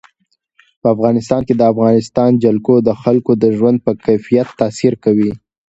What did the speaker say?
په افغانستان کې د افغانستان جلکو د خلکو د ژوند په کیفیت تاثیر کوي.